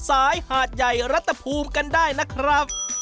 หาดใหญ่รัฐภูมิกันได้นะครับ